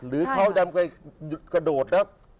หรือเขายังจะกระโดด